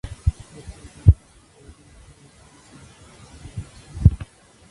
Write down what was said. La película fue citada por Excelencia en Cinematografía por la "National Board of Review".